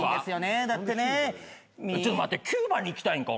ちょっと待ってキューバに行きたいんか？